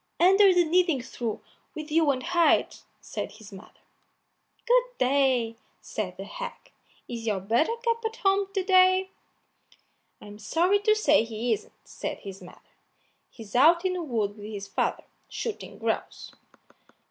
"Under the kneading trough with you and hide," said his mother. "Good day!" said the hag; "is your Buttercup at home to day?" "I'm sorry to say he isn't," said his mother; "he's out in the wood with his father, shooting grouse."